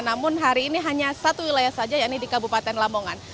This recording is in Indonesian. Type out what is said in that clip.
namun hari ini hanya satu wilayah saja yaitu di kabupaten lamongan